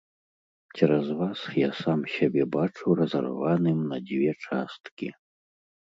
Цераз вас я сам сябе бачу разарваным на дзве часткі!